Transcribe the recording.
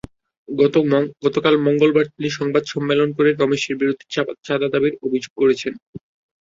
গতকাল মঙ্গলবার তিনি সংবাদ সম্মেলন করে রমেশের বিরুদ্ধে চাঁদা দাবির অভিযোগ করেছেন।